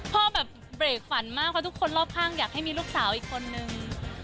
แบบเบรกฝันมากเพราะทุกคนรอบข้างอยากให้มีลูกสาวอีกคนนึง